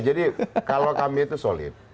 jadi kalau kami itu solid